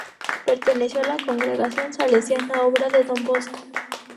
Perteneció a la congregación salesiana, obra de Don Bosco.